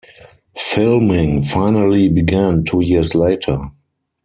Filming finally began two years later.